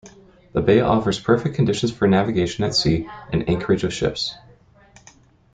The bay offers perfect conditions for navigation at sea and anchorage of ships.